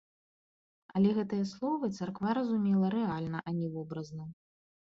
Але гэтыя словы царква разумела рэальна, а не вобразна.